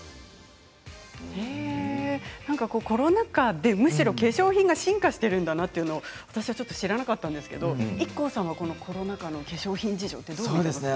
コロナ禍でむしろ化粧品が進化しているんだなというの私はちょっと知らなかったんですけどＩＫＫＯさんはこのコロナ禍の化粧品事情はどうですか。